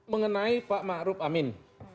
mengenai pak ma'ruf amin